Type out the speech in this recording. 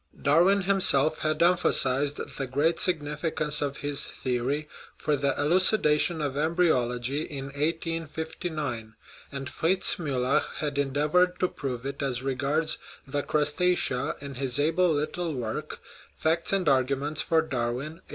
Darwin himself had emphasized the great significance of his theory for the elucidation of embryology in 1859, and Fritz Miiller had endeavored to prove it as regards the Crustacea in the able little work, Facts and Argu ments for Darwin (1864).